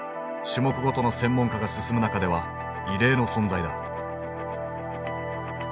種目ごとの専門化が進む中では異例の存在だ。